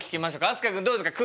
飛鳥君どうですか？